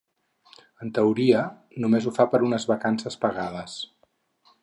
En teoria només ho fa per unes vacances pagades.